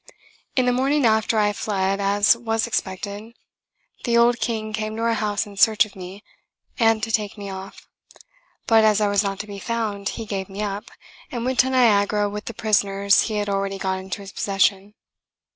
In the morning after I fled, as was expected, the old King came to our house in search of me, and to take me off; but, as I was not to be found, he gave me up, and went to Niagara with the prisoners he had already got into his possession.